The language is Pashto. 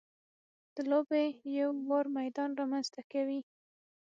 د لوبې یو ه وار میدان رامنځته کوي.